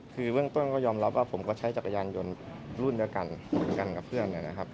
คือเรื่องต้นก็ยอมรับว่าผมก็ใช้จักรยานยนต์รุ่นด้วยกันกับเพื่อนเนี่ยนะครับ